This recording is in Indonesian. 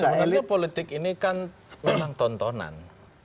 sebenarnya politik ini kan memang tontonan